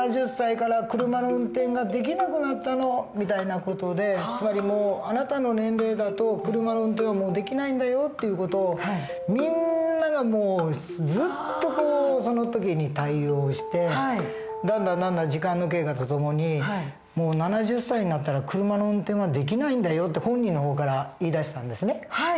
７０歳から車の運転ができなくなったの」みたいな事でつまりもうあなたの年齢だと車の運転はもうできないんだよって事をみんながもうずっとその時に対応してだんだんだんだん時間の経過とともに「もう７０歳になったら車の運転はできないんだよ」と本人の方から言いだしたんですね。